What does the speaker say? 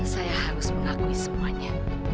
saya harus mengakui semuanya